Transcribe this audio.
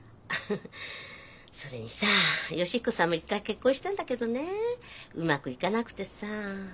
それにさあ良彦さんも一回結婚したんだけどねうまくいかなくてさあ。